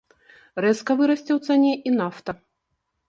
Рэзка вырасце ў цане і нафта.